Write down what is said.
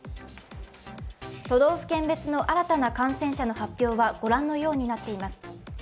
都道府県の新たな感染者の発表はご覧のようになっています。